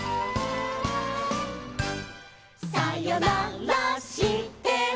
「さよならしても」